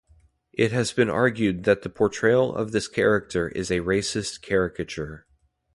It has been argued that the portrayal of this character is a racist caricature.